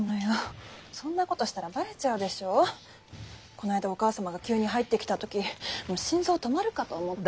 この間お母様が急に入ってきた時もう心臓止まるかと思った。